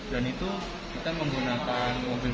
dan itu kita menggunakan mobil empat dua ribu sembilan belas